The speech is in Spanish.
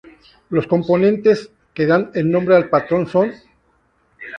Los componentes, que dan el nombre al patrón, son:.